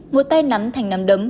một tay nắm thành nắm đấm